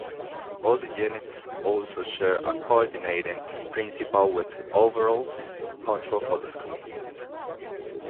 All the units also share a coordinating principal with overall control for the school.